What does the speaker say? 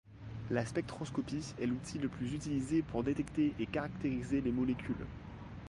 La spectroscopie est l'outil le plus utilisé pour détecter et caractériser les molécules.